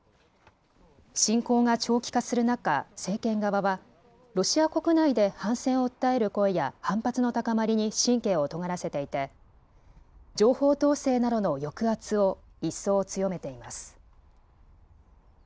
侵攻が長期化する中、政権側はロシア国内で反戦を訴える声や反発の高まりに神経をとがらせていて情報統制などの抑圧を一層強めています。